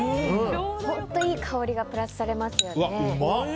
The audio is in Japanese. ちょうどいい香りがプラスされますよね。